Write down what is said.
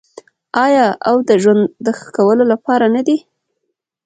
آیا او د ژوند د ښه کولو لپاره نه دی؟